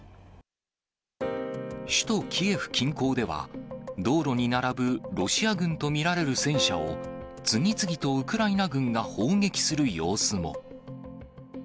首都キエフ近郊では、道路に並ぶロシア軍と見られる戦車を、次々とウクライナ軍が砲撃する様子も。